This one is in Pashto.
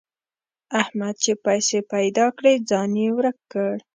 احمد چې پیسې پيدا کړې؛ ځان يې ورک کړ.